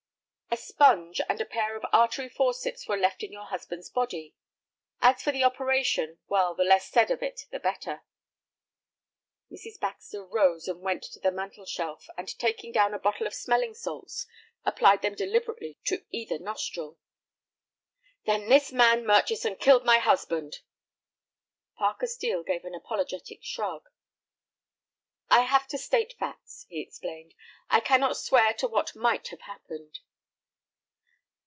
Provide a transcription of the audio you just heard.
"A sponge and a pair of artery forceps were left in your husband's body. As for the operation, well, the less said of it the better." Mrs. Baxter rose and went to the mantel shelf, and taking down a bottle of smelling salts, applied them deliberately to either nostril. "Then this man Murchison killed my husband!" Parker Steel gave an apologetic shrug. "I have to state facts," he explained. "I cannot swear to what might have happened."